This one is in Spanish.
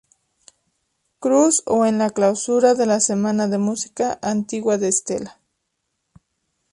Cruz o en la clausura de la Semana de Música Antigua de Estella.